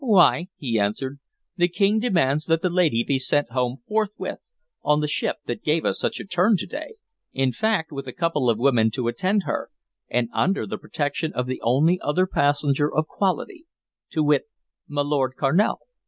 "Why," he answered, "the King demands that the lady be sent home forthwith, on the ship that gave us such a turn to day, in fact, with a couple of women to attend her, and under the protection of the only other passenger of quality, to wit, my Lord Carnal.